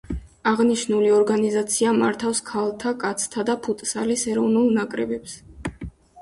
აღნიშნული ორგანიზაცია მართავს ქალთა, კაცთა და ფუტსალის ეროვნულ ნაკრებებს.